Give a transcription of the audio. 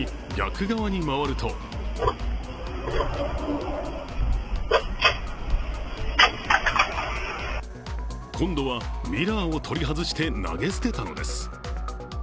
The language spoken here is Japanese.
更に、逆側に回ると今度はミラーを取り外して投げ捨てたのです。